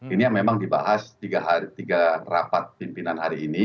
ini yang memang dibahas tiga rapat pimpinan hari ini